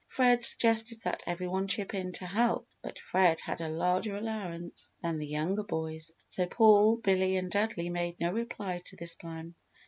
Fred suggested that every one chip in to help, but Fred had a larger allowance than the younger boys, so Paul, Billy and Dudley made no reply to this plan.